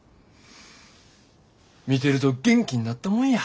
見てると元気になったもんや。